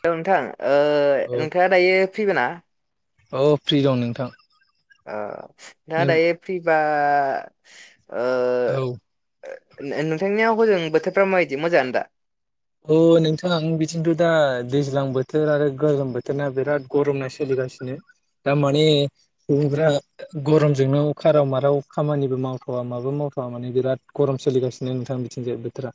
Hello नोंथां ओ औ नोंथाङा दायो फ्रि ना? औ फ्रि दं नोंथां। अ दा नों दायो फ्रिबा ओ औ नोंथांनियाव हजों बोथोरफोरा माबायदि मोजाङानो दा? अ नोंथां बिथिंथ दा दैज्लां बोथोर आरो गोलोम बोथोरा ना बिराद गरम नो सोलिदों। गासिनो दारमाने सुबुंफ्रा गरमजोंनो खाराव माराव खामानिबो मावथा'वा माबो माव थ' माने बिराद गरम सोलिगासिनो नोंथां बिथिंजाय बोथोरा।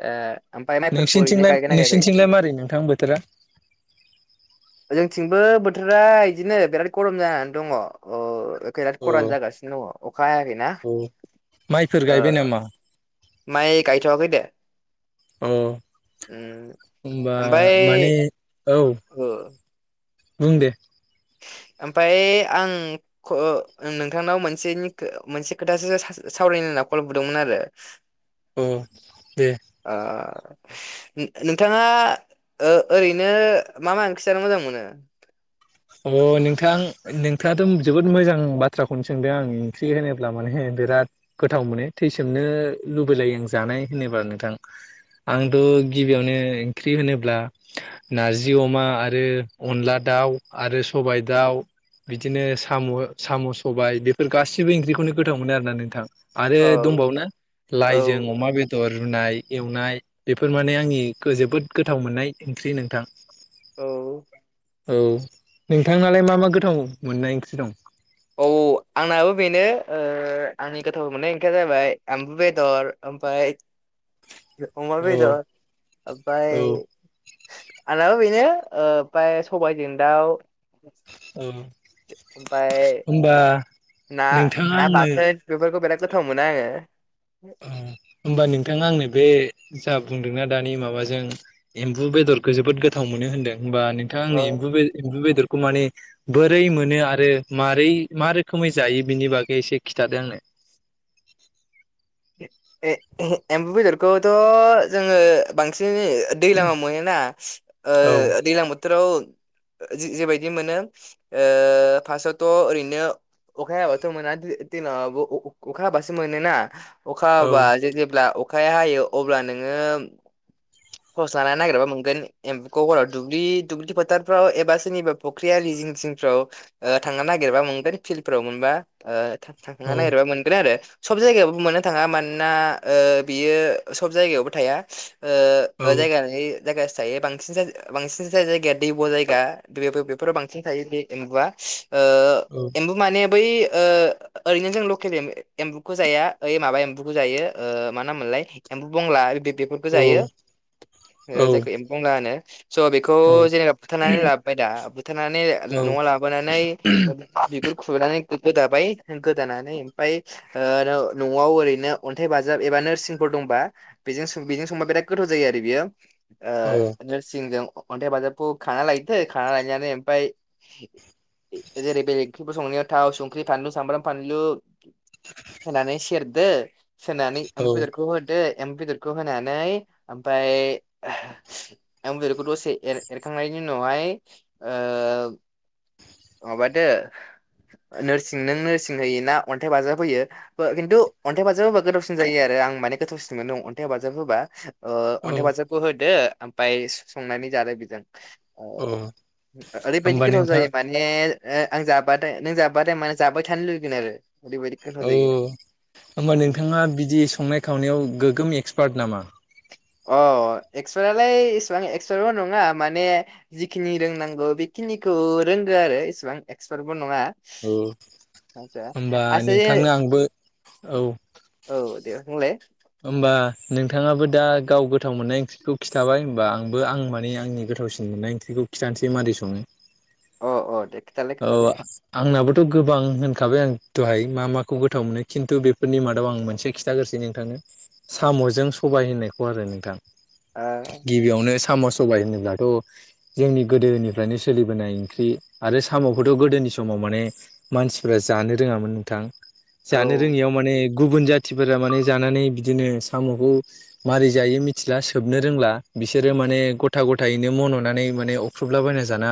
ए आम नोंसिनिथिंलाय नोंसिनिथिंलाय मारै नोंथां बोथोरा? जोंथिंबो बोथोरा इदिनो बिराद गरम जानानै दङ। अ ओ खैराद अ खरान जागासिनो दङ। अखा हायाखैना, औ माइफोर गायबाय ओ नामा माइ गायथ'वाखै दे। अ। उम होनबा ओमफ्राय माने औ ओ बुं दे। [inaudible] ओमफाय आं खो नोंथांनाव मोनसेनि खो मोनसे खोथासो सास-सावरायनो होनना ना खल बुदोंमोन आरो। अ दे। नो नोंथाङा ओ ओरैनो मा मा ओंखि जानो मोजां मोनो? अ नोंथां नोंथाङाथ' जोबोद मोजां बाथ्राखौनो सोंदों आं ओंख्रि होनोब्ला माने बिराद गोथाव मोनो थैसोमनो लुबैलायो आं जानाय होनोबा नोंथां। आंथ' गिबियावनो ओंख्रि होनोब्ला नारजि अमा आरो अनला दाउ आरो सबाय दाउ बिदिनो साम' साम' सबाय बेफोर गासिबो ओंख्रिखौनो गोथाव मोनो आरोना नोंथां। आरो औ दंबावनो औ लाइजों अमा बेदर रुनाय एवनाय बेफोर माने आंनि जोबोद गोथाव मोननाय ओंख्रि नोंथां। औ। औ नोंथांनालाय मा मा गोथाव मोननाय ओंख्रि दं? औ आंनाबो बेनो ओ आंनि गोथाव मोननाय ओंखिया जाबाय एम्बु बेदर ओमफाय अमा औ बेदद आमफाय औ आंनाबा बेनो ओ ओमफाय सबायजों दाउ औ ओमफाय होमबा ना नोंथाङा ना आंनो बाथोन बेफोरखौ बेराद गोथाव मोनो आङो। अ होमबा नोंथां आंनो बे जा बुंदोंना दानि माबाजों एम्बु बेदरखौ जोबोद गोथाव मोनो होनदों। होमबा नोंथां औ आंनि एम्बु बे एम्बु बेदर खौ माने बोरै मोनो आरो मारै मा रोखोमै जायो बिनि बागै एसे खिन्थादो आंनो। [inaudible] ए-ए-एम्बु बेदरखौथ' जोङो बांसिन [unintelligible] दैलाङाव मोनोना ओ औ दैलां बोथोराव ओ जेबायदि मोनो ओ फार्स्टआवथ' ओरैनो अखाया हायाबाथ' मोना दै-दैलांआवबो अ-अ-अखा हाबासो मोनोना अखा औ हाबा जे जेब्ला अखाया हायो अब्ला नोङो थस लाना नागिरबा मोनगोन एम्फौखौ हराव। दुब्लि दुब्लि फोथारफ्राव एबा सोरनिबा फख्रि आलि जिं जिंफ्राव ओ थांना नागिरबा मोनगोन फिलफ्राव मोनबा ओ औ थां-थांना नागिरबा मोनगोन आरो। सब जायगायावबो मोननो थाङा मानोना ओ बियो सब जायगायावबो थाया। ओ औ ओ जायगा लायै जायगायासो थायो। बांसिन जाय बांसिन जा-जायगाया दैब' जायगा बेव-बेव-बेव-बेफोराव बांसिन बे एम्बुआ। ओ एम्बु माने बै ओ ओरैनो जों लकेल ए-एम्बुखौ जाया ओइ माबा एम्बुखौ जायो ओ मा नाममोनला लाय एम्बौ बंला बे-बे-बेफोरखौ औ जायो ओ औ जायखौ एम्बौ बंला होनो। स' बेखौ औ जेनेबा बुथारनानै लाबोबाय दा बुथारनानै न'आव लाबोनानै [unintelligible] खुनानै गोदाबाय गोदानानै ओमफाय ओ न'आव ओरैनो अन्थाइ बाजाब एबा नोरसिंफोर दंबा बे बेजों सबा बिराद गोथाव जायो आरो बेयो औ ओ नोरसिंजों। अनथाय बाजाबखौ खाना लायदो खाना लायनानै ओमफाय जेरै बेलेओंख्रि संनायाव थाव संख्रि फानलु सामब्राम फानलु होनानै सेरदो सोनानै ओम औ बेदरखौ होदो। एमबु बेदरखौ होनानै ओमफाय आं बेखौ दसे एरएरखांनायनि उनावहाय ओ ओ माबादो नोरसिं नों नोरसिं होयोना अन्थाइ बाजाब होयो ओ खिन्थु अन्थाइ बाजाब होबा गोथावसिन जायो आरो। आं माने गोथावसिनमोनो नों अन्थाइ हाबाजाब होबा। ओ औ अन्थाइ बाजाबखौ होदो ओमफाय संनानै‌ जादो बेजों। अ औ ओरैबायदि होमबा गोथाव नोंथाङा जायो माने ओ आं जाबाथाय नों जाबाथाय माने जाबाय थानो लुबगैन आरो। ओरैबायदि गोथाव औ जायो होमबा नोंथाङा बिदि संनाय खावनायाव गोगोम एक्सपार्ट नामा? अ। एक्सपादालाय इसेबां एक्सापारल नङा माने जिखिनि रोंनांगौ बेखिनिखौ रों रोंगो आरो इसेबां एक्सपार्टबो नङा। औ आसा होमबा आसा नोंथांनो आंबो औ औ दे। बुंलाय होमबा नोंथाङाबो दा गाव गोथाव मोननाय ओंख्रिखौ खिथाबाय होमबा आंबो आं माने आंनि गो गोथावसिन मोननाय ओंख्रिखौ खिथानोसै मादै सङो। अ अ दे खिथालाय खिथालाय। थ' गोबां होनखाबाय आं दहाय मा माखौ गोथाव मोनो खिन्थु बेफोरनि मादाव आं मोनसे खिथागोरोसै नोंथांनो। साम'जों सबाय होननायखौ आरो नोंथां खोथालाय गिबियावनो साम' सबाय होनोब्लाथ' जोंनि गोदोनिफ्रायनो सोलिबोनाय ओंख्रि आरो साम'खौथ' गोदोनि नि समाव माने मानसिफोरा जानो रोङामोन नोंथां। ओ जानो रोङियाव माने गुबुन जाथिफोरा माने जानानै बिदिनो साम'खौ मारै जायो मिथिला सोबनो रोंला बिसोरो माने गथा गथायैनो मननानै माने अख्रुबला बना जाना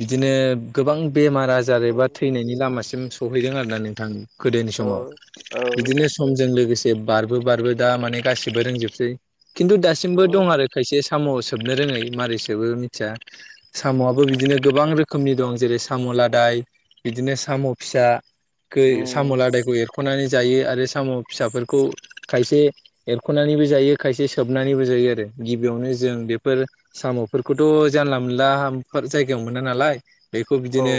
बिदिनो गोबां बेमार आजार औ एबा थैनायनि लामासिम सहैदों आरोना नोंथां। गोदोनि औ समाव औ बिदिनो समजों लोगोसे बार बारबो बारबो दा माने गासिबो रोंजोबसै। खिन्थु औ दासिमबो दं आरो खायसे साम' सोबनो रोङै मारैसोबो मिथिया। साम'आबो औ बिदिनो गोबां रोखोमनि दं जेरै साम' लादाय बिदिनो साम' फिसा। गो साम' उम लादायखौ एरख'नानै जायो आरो साम' फिसाफोरखौ खायसे एरख'नानैबो जायो खायसे सोबनानैबो जायो आरो गिबियावनो जों बेफोर साम' म फोरखौथ' जानला मोनला जायगायाव मोना नालाय। बेखौ औ बिदिनो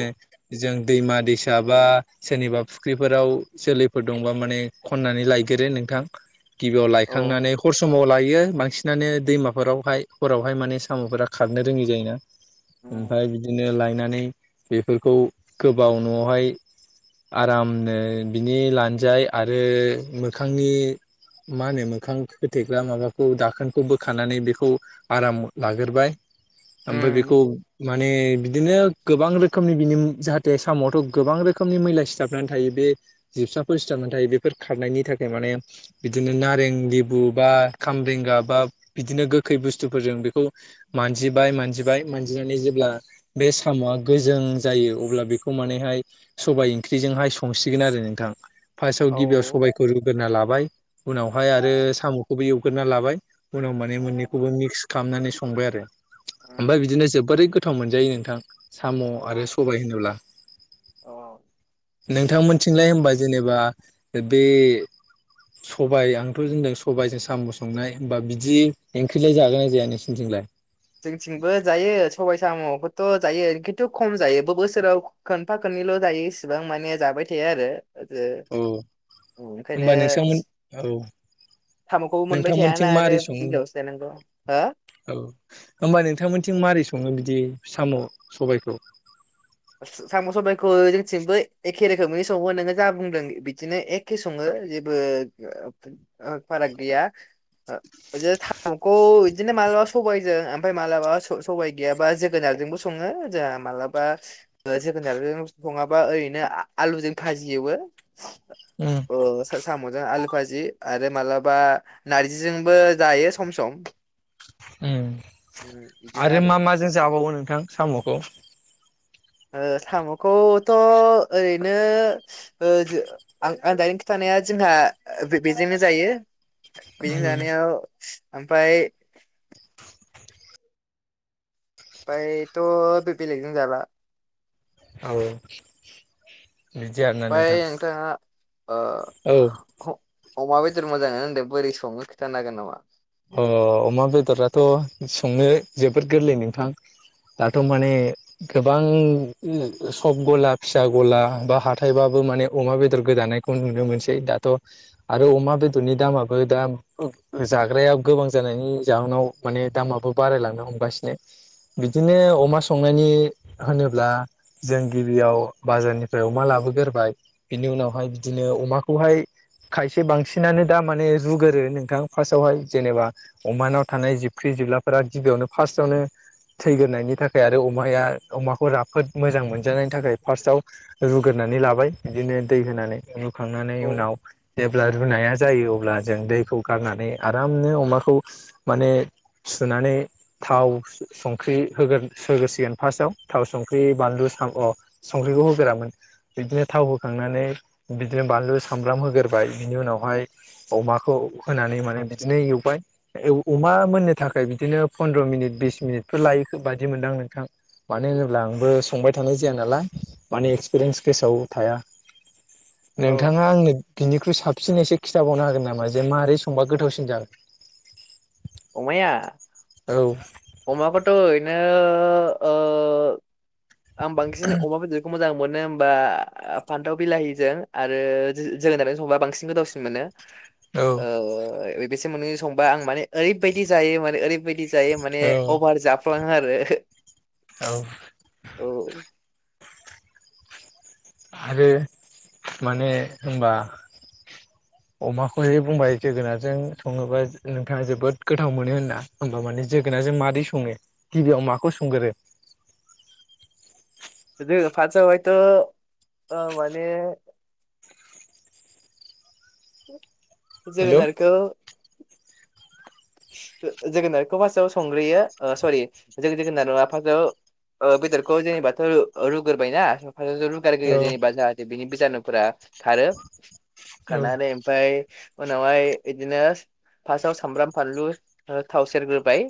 जों दैमा दैमा दै साबा सोरनिबा फुख्रिफोराव जोलैफोर दंबा माने खननानै लायगोरो नोंथां। गिबियाव औ लायखांनानै हर समाव लायो। बांसिनानो दैमाफोरावहाय हरावहाय माने साम'फोरा खारनो रोङि जायोना। उम ओमफाय बिदिनो लायनानै बेफोरखौ गोबाव न'आवहाय। आरामनो बिनि लानजाय आरो मोखांनि मा होनो मोखां खोथेग्रा माबाखौ दाखोनखौ बोखानानै बेखौ आराम लागोरबाय। ओमफाय बेखौ उम, माने बिदिनो गोबां रोखोमनि बिनि जाहाथे सामवाथ' गोबां रोखोमनि मैला सिथाबनानै थायो बे जि जासाफोर सिथार मोन थायो बेफोर खारनायनि थाखाय माने बिदिनो नारें लेबु बा खामबरेंगा बा बिदिनो गोखै बुस्थुफोरजों बेखौ मानजिबाय मानजिबाय मानजिनानै जेब्ला बे साम'आ गोजों जायो अब्ला बेखौ मानेहाय सबाय ओंख्रिजोंहाय संसिगोन आरो नोंथां फार्स्टआव औ गिबियाव सबायखौ रुग्रोना लाबाय। उनावहाय आ आरो साम'खौबो एवग्रोना लाबाय उनाव माने मोननैखौबो मिक्स खालामनानै संबाय आरो ओमफ्राय उम, बिदिनो जोबोरै गोथाव मोनजायो नोंथां साम' आरो औ सबाय होनोब्ला। औ नोंथांमोनथिंलाय होमबा जेनेबा बे सबाय आंथ' होनदों सबायजों साम' संनाय होमबा बिदि ओंख्रिलाय जागोनना जाया नोंसोरनिथिंलाय। जोंनिथिंबो जायो सबाय साम'खोथ' जायो खिन्थु खम जायोबो बोसोराव खोनफा खननै- ल' जायो इसेबां माने जाबाय थायो आरो आरो औ ओंखायनो। होमबा नोंसांमोन औ साम'खौबो मोनबाय नोंथांमोनथिं थायाना आरो मारै सङो बिलोआवसो लायनांगौ हो औ होमबा नोंथांमोनथिं माबोरै सङो बिदि साम' सबाइखौ साम' सबाइखौ जोंनिथिंबो एखे रोखोमैनो सङो नोङो जा बुंदों बिदिनो एखे सङो जेबो फाराग गैया। बिदिनो साम'खौ बिदिनो मालाबा सबायजों ओमफ्राय मालाबा सबाय गैयाबा जोगोनार जोंबो सङो जोंहा मालाबा। जोगोनारजों सङाबा ओरैनो आलुजों भाजि एवयो उम अ सामजों आलु भाजि आरो मालाबा नारजिजोंबो जायो सम सम उम उम, बिदिनो आरो मा माजों जाबावो नोंथां साम'खौ साम'खौथ' ओरैनो आं आं दानि खिथा नाया जोंहा बेजोंनो जायो बेजों उम जानायाव ओमफ्राय। ओमफ्रायथ' बे बेलेगजों जाला। औ। बिदि आरोना ओमफ्राय नोंथां नोंथाङा अ औ ख। अमा बेदर मोजांनो होनदों बोरै संनो खिथानो हागोन नामा। अ अमा बेदराथ' संनो जोबोद गोरलै नोंथां दाथ' माने गोबां सब गला फिसा गला बा हाथायबाबो माने अमा बेदर गोदानायखौ नुनो मोनसै दाथ' आरो अमा बेदरनि दामाबो दा। जाग्राया गोबां जानायनि जाहोनाव माने दामाबो बारायलांनो हमगासिनो। बिदिनो अमा संनायनि होनोब्ला जों गिबियाव बाजारनिफ्राय अमा लाबो ग्रोबाय बिनि उनावहाय बिदिनो अमाखौहाय। खायसे बांसिनानो दा माने रुगोरो नोंथां फार्स्ट आवहाय जेनेबा अमानाव थानाय जिबख्रि जिबलाफोरा गिबियावनो फार्स्ट आवनो थैग्रोनायनि थाखाय आरो अमाया अमाखौ राफोद मोजां मोनजा जानायनि थाखाय फार्स्टआव रुग्रोनानै लाबाय बिदिनो दै होनानै रुखांनानै औ उनाव जेब्ला रुनाया जायो अब्ला जों दैखौ गारनानै। आरामनो अमाखौ माने। सुनानै थाव संख्रि होगोन होगोसिगोन फार्स्टआव थाव संख्रि बानलु अ संख्रिखौ होग्रोआमोन बिदिनो थाव होखांनानै बिदिनो बानलु सामब्राम होगोर बाय बिनि उनावहाय अमाखौ होनानै माने। बिदिनो एवबाय अमा मोननो थाखाय बिदिनो पन्द्र' मिनिट बिस मिनिटफोर लायो बादि मोनदां। नोंथां मानो होनोब्ला आंबो संबाय थानाय जाया नालाय माने एक्सपिरियेन्स गोसोआव थाया औ नोंथाङा आंनो बिनिख्रुइ साबसिनै एसे खिथाबावनो हागोन नामा जे मारै संबा गोथावसिन जा जागोन अमाया औ अमाखौथ' ओरैनो ओ आं बांसिन अमा बेदरखौ मोजां। मोनो होमबा फान्थाव बिलाहिजों आरो जोगोनारजों संबा बांसिन गोथावसिन मोनो औ औ बेसोर मोननैखौ संबा आं माने ओरैबायदि जायो माने ओरैबायदि जायो माने औ अभार जाफ्लाङो आरो औ । औ आरो माने होनबा। [inaudible] अमाखौहाय बुंबाय जोगोनारजों सङोबा नोंथाङा जोबोद गोथाव मोनो होनना । होमबा माने जोगोनार जों माबादै सङो गिबियाव माखौ सोंगोरो? [inaudible] जों फार्स आव हयथ' माने हेलौ जोगोनारखौ जोगोनारखौ फार्स्टआव संग्रोयो । सरि जों जोगोनार नङा फारसेआव बेदरखौ जेनेबाथ' रुग्रोबायना औ रुगारग्रोयो जाहाथे बिनि बिजानुफोरा खारो औ खारनानै। ओमफ्राय उनावहाय बिदिनो फास्टाव सामब्राम फानलु थाव सेरग्रोबाय।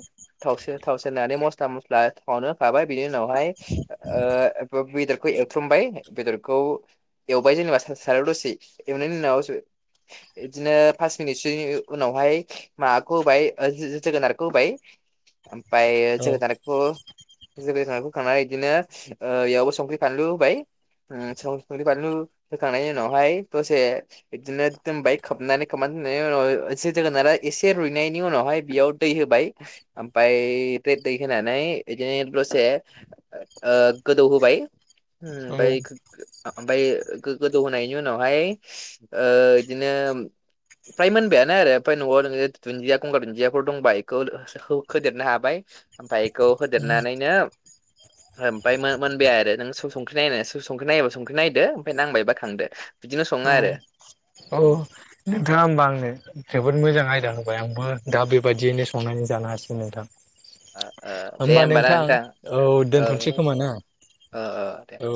थावसेेर नानै मस्ला मस्ला थावावनो होखाबाय बिनि उनावहाय बेदरखौ बेखौ एवफ्रामबाय बेदरखौ एवबाय जेनेबा सारायाव दसे । एवनायनि उनाव [inaudible] बिदिनो फास मिनिटसोनि उनावहाय माबाखौ होबाय जोगोनारखौ होबाय। ओफायो जोगोनारखौ। जोगोनारखौ होखांनानै बिदिनो बेयावबो संख्रि फानलु होबाय। उम संख्रि बानलु होखांनायनि उनावहाय दसे बिदिनो दोनबाय खोबनानै खोबनानै दोननायनि उनाव जो जोगोनारा एसे रुइनायनि उनावहाय बेयाव दै होबाय। ओमफ्राय दै होनानै बिदिनो दसे गोदौहोबाय। औ ओमफ्राय गोदौ होनायनि उनावहाय ओ इदिनो फ्राय मोनबायानो आरो ओमफ्राय न'आव नोङो दुन्दिया गंगार दुन्दियाफोर दंबा बेखौ होदेरनो हाबाय। ओमफ्राय बेखौ होदेरनानैनो ओ ओमफ्राय मोनबाय आरो नों संख्रि नायोबा संख्रि नायदो ओमफ्राय नांबायबा खांदो। बिदिनो सङो औ आरो। औ नोंथाङा होमबा आंनो जोबोद मोजां आयदा होबाय। आंबो दा बेबायदियैनो संनानै जानो हासिगोन नोंथां। दे होमबा होमबाना नोंथां औ दोनथ'सै खोमा ना? ओ ओ दे। औ